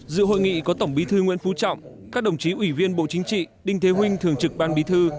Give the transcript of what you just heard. dự hội nghị có tổng bí thư nguyễn phú trọng các đồng chí ủy viên bộ chính trị đinh thế huynh thường trực ban bí thư